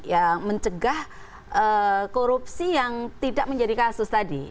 ya mencegah korupsi yang tidak menjadi kasus tadi